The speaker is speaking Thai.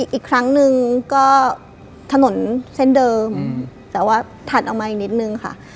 อย่างหนึ่งทางก็ถนนเส้นเดิมแต่ถัดออกมานิดนึง